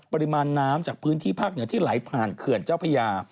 ปริมาณน้ำจากพื้นที่ภาคเหนือที่ไหลผ่านเขื่อนเจ้าพญา